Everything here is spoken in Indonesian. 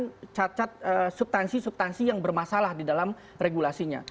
ruang diskresi yang terlalu besar itu diberikan dengan cat cat subtansi subtansi yang bermasalah di dalam regulasinya